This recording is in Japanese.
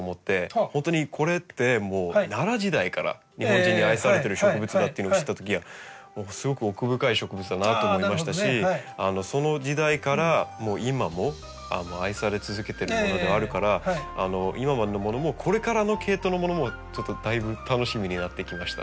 本当にこれってもう奈良時代から日本人に愛されてる植物だっていうのを知ったときはすごく奥深い植物だなと思いましたしその時代から今も愛され続けてるものではあるから今までのものもこれからのケイトウのものもちょっとだいぶ楽しみになってきました。